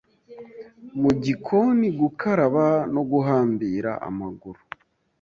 mu gikoni gukaraba no guhambira amaguru.